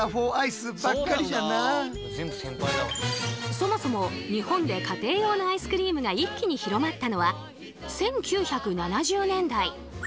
そもそも日本で家庭用のアイスクリームが一気に広まったのは１９７０年代！